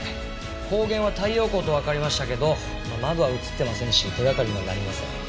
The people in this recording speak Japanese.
光源は太陽光とわかりましたけど窓は映ってませんし手がかりにはなりません。